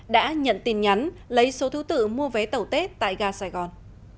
đã nhận tin nhắn lấy số thứ tự mua vé tàu tết tại gà sài gòn